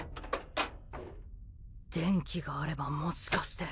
電気があればもしかして。